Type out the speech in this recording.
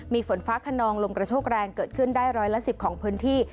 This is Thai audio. มีฝนฟ้าขนองลมกระโชกแรงเกิดขึ้นได้ร้อยละ๑๐ของพื้นที่